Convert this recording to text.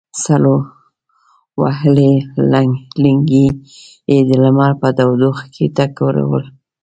سړو وهلي لېنګي یې د لمر په تودوخه کې ټکورول.